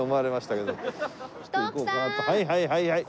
はいはいはいはい。